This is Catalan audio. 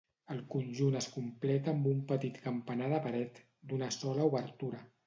El conjunt es completa amb un petit campanar de paret, d'una sola obertura.